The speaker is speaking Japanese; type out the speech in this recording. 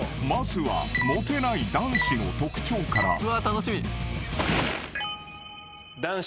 ［まずはモテない男子の特徴から］